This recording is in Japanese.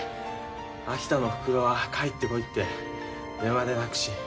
秋田のおふくろは帰ってこいって電話で泣くし。